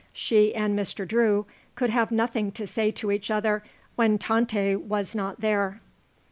She and Mr. Drew could have nothing to say to each other when Tante was not there.